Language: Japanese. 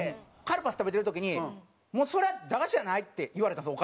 カルパス食べてる時に「もうそれ駄菓子やない」って言われたんです